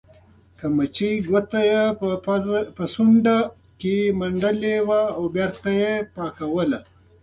خچۍ ګوته یې په پوزه کې منډلې او بېرته یې پاکوله.